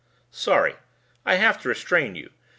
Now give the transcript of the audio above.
"Sorry. I'd have to restrain you.